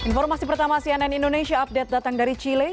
informasi pertama cnn indonesia update datang dari chile